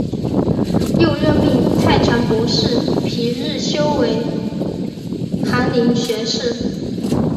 又任命太常博士皮日休为翰林学士。